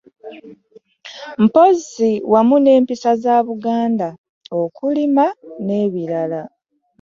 Mpozzi wamu n'empisa za Buganda, okulima n'ebirala,